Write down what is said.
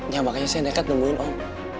ya makanya saya nekat nemuin om